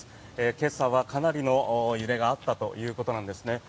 今朝はかなりの揺れがあったということなんです。